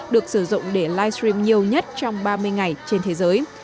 được sử dụng để livestream nhiều nhất trong ba mươi ngày trên thế giới